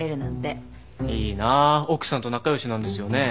いいなぁ奥さんと仲良しなんですよね？